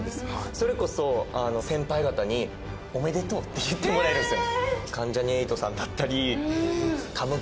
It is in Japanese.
それこそ先輩方におめでとうって言ってもらえるんですよ。